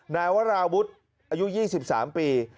นายวราวุฒิอายุ๒๓ปี